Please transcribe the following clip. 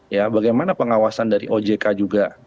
ya bagaimana pengawasan dari ojk juga